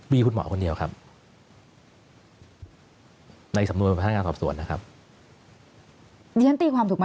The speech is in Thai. มีคุณหมอคนเดียวครับ